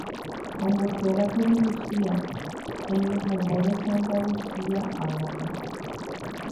Ombohérakuri Lucía, heñoihaguére Santa Lucía árape.